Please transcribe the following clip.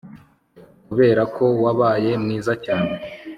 kuberako wabaye mwiza cyane